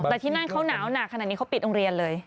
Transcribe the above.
แต่ที่นั่นเขาหนาวหนักขนาดนี้เขาปิดโรงเรียนเลย